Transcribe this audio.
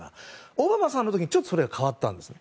オバマさんの時にちょっとそれが変わったんです。